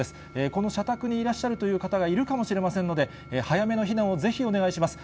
この社宅にいらっしゃるという方がいるかもしれませんので、早めの避難をぜひお願いします。